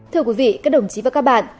thưa quý vị các đồng chí và các bạn